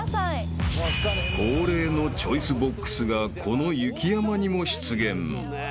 ［恒例のチョイスボックスがこの雪山にも出現］